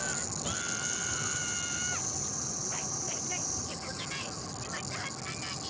しまったはずなのに！